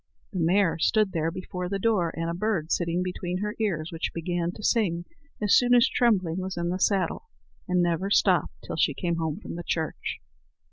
The mare stood there before the door, and a bird sitting between her ears, which began to sing as soon as Trembling was in the saddle, and never stopped till she came home from the church.